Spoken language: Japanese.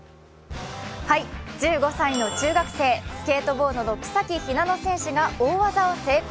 １５歳の中学生、スケートボードの草木ひなの選手が大技を成功。